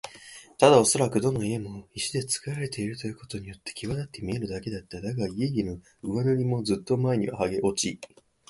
ただおそらくどの家も石でつくられているということによってきわだって見えるだけだった。だが、家々の上塗りもずっと前にはげ落ち、